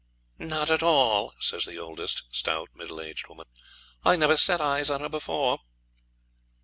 'Not at all,' says the oldest, stout, middle aged woman; 'I never set eyes on her before.'